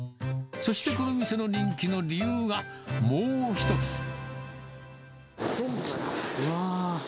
そしてこの店の人気の理由がもう一つ。